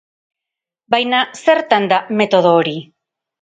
Baina zertan da metodo hori?